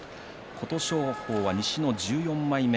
琴勝峰は西の１４枚目。